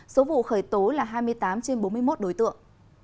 số vụ khởi tố là hai mươi tám trên bốn mươi một đối tượng